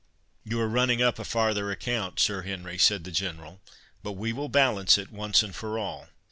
"You are running up a farther account, Sir Henry," said the General; "but we will balance it once and for all."